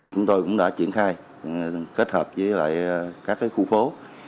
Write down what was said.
chúng tôi cũng đã triển khai kết hợp với các khu phố